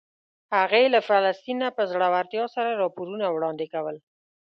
هغې له فلسطین نه په زړورتیا سره راپورونه وړاندې کول.